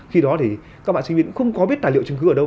khi đó thì các bạn sinh viên cũng không có biết tài liệu chứng cứ ở đâu